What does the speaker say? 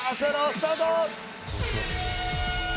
スタート！